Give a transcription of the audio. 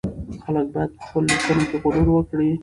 خلک بايد په خپلو ليکنو کې غور وکړي.